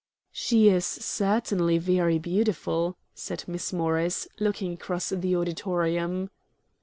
"She is certainly very beautiful," said Miss Morris, looking across the auditorium.